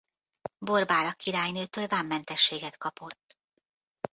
Borbála királynőtől vámmentességet kapott.